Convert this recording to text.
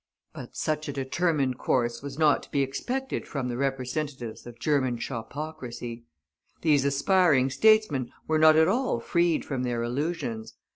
But such a determined course was not to be expected from the representatives of German shopocracy. These aspiring statesmen were not at all freed from their illusions.